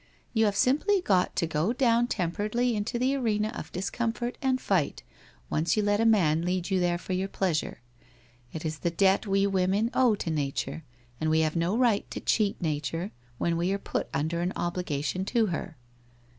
You have simply got to go down good WHITE ROSE OF WEARY LEAF 141 temperedly into the arena of discomfort and fight, once you let a man lead you there for your pleasure. It is the debt we women owe to Nature, and we have no right to cheat Nature, when we are put under an obligation to her.'